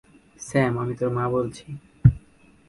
Sam, আমি তোর মা বলছি!